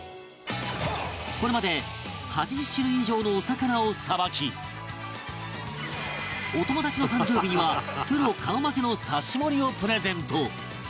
これまで８０種類以上のお魚を捌きお友達の誕生日にはプロ顔負けの刺し盛りをプレゼント